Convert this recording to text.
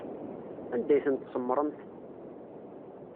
Anda ay ten-tsemmṛemt?